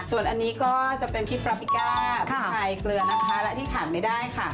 ส่วนอันนี้ก็จะเป็นพริกปลาปิก้าพริกไทยเกลือนะคะและที่ขาดไม่ได้ค่ะ